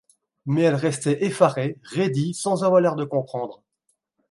Mais elle restait effarée, raidie, sans avoir l’air de comprendre.